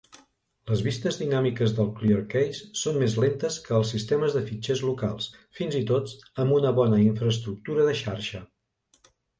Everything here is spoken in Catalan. Les vistes dinàmiques del ClearCase són més lentes que els sistemes de fitxers locals, fins i tot amb una bona infraestructura de xarxa.